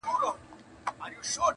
په سودا وو د کسات د اخیستلو٫